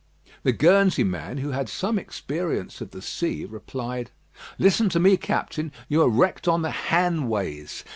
The Guernsey man, who had some experience of the sea, replied: "Listen to me, Captain. You are wrecked on the Hanways.